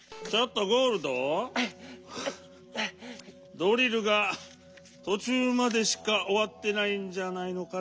ドリルがとちゅうまでしかおわってないんじゃないのかな？